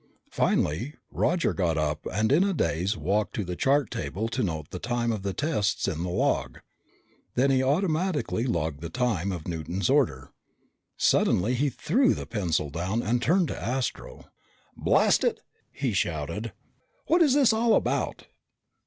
Finally Roger got up and in a daze walked to the chart table to note the time of the tests in the log. Then he automatically logged the time of Newton's order. Suddenly he threw the pencil down and turned to Astro. "Blast it!" he shouted. "What's this all about?"